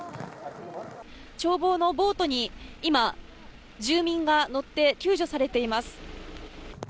消防のボートに今、住民が乗って救助されています。